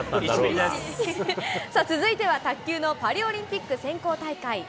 続いては卓球のパリオリンピック選考大会。